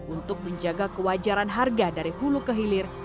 untuk menjaga kewajaran harga dari hulu ke hilir